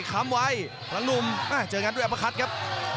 ครัมวายพลังนุ่มเจอกันด้วยอันพาคัทครับ